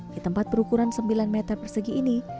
di tempat berukuran sembilan meter persegi ini